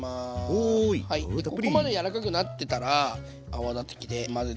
ここまで柔らかくなってたら泡立て器で混ぜていきます。